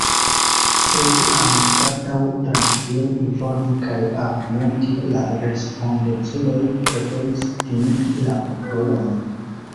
Sed anstataŭ trankvile informi kaj argumenti, la respondeculoj preferis timigi la popolon.